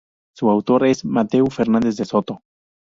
Su autor es Mateu Fernández de Soto.